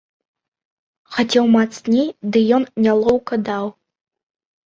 Хацеў мацней, ды ён нялоўка даў.